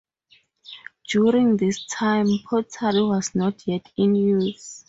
During this time, pottery was not yet in use.